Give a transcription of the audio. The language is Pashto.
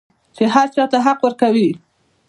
چې هر چا ته حق ورکوي.